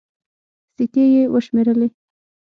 سيکې يې وشمېرلې.